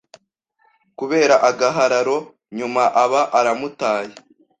kubera agahararo nyuma aba aramutaye